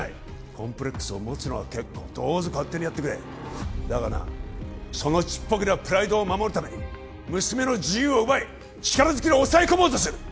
コンプレックスを持つのは結構どうぞ勝手にやってくれだがなそのちっぽけなプライドを守るために娘の自由を奪い力ずくで押さえ込もうとしてる！